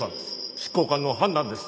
執行官の判断です。